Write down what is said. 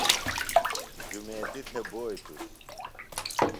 جُمیتیۡ تھےۡ بوئی تُس